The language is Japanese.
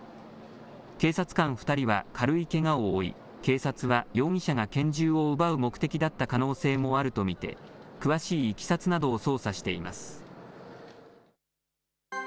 警察官２人は軽いけがを負い、警察は容疑者が拳銃を奪う目的だった可能性もあると見て、詳しいいきさつなどを捜査しています。